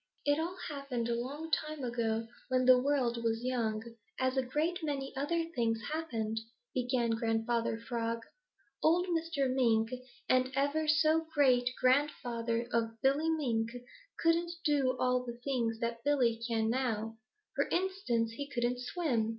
"It all happened a long time ago when the world was young, as a great many other things happened," began Grandfather Frog. "Old Mr. Mink, the ever so great grandfather of Billy Mink, couldn't do all the things that Billy can now. For instance, he couldn't swim.